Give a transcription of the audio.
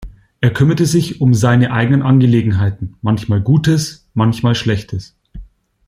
Er kümmert sich um seine eigenen Angelegenheiten, manchmal Gutes, manchmal Schlechtes.